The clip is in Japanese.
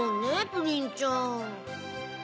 プリンちゃん。